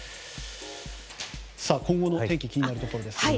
今後のお天気気になるところですが。